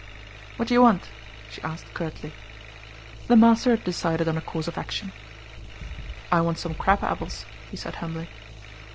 "What do you want?" she asked curtly. The master had decided on a course of action. "I want some crab apples," he said humbly.